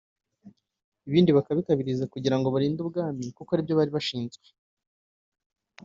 ibindi bakabikabiriza kugira ngo barinde ubwami kuko aribyo bari bashinzwe